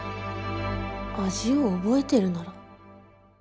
味を覚えてるなら？